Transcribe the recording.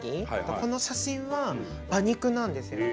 この写真は馬肉なんですよね。